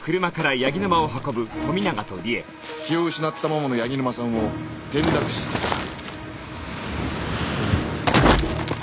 気を失ったままの柳沼さんを転落死させた。